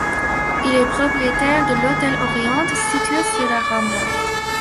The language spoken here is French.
Il est propriétaire de l'Hôtel Oriente situé sur La Rambla.